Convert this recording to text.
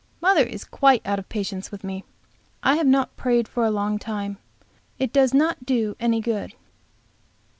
Mother is quite out of patience with me. I have not prayed for a long time. It does not do any good.